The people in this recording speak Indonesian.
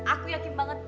aku yakin banget